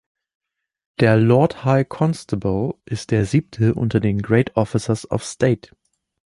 Der "Lord High Constable" ist der siebte unter den "Great Officers of State".